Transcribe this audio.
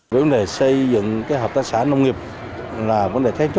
vấn đề xây dựng hợp tác xã nông nghiệp là vấn đề khác chốt